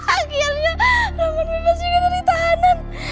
akhirnya roman bebas juga dari tahanan